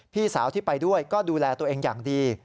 พี่สาวที่ไปด้วยก็ดูแลตัวเองอย่างดี